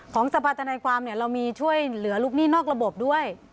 ของสภาษณาความเรามีช่วยเหลือลูกหนี้นอกระบบด้วย